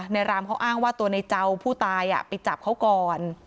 รามเขาอ้างว่าตัวในเจ้าผู้ตายไปจับเขาก่อน